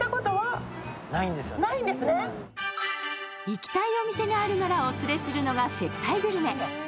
行きたいお店があるならお連れするのが接待グルメ。